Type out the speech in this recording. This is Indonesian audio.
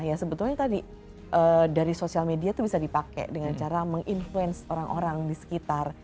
ya sebetulnya tadi dari sosial media itu bisa dipakai dengan cara meng influence orang orang di sekitar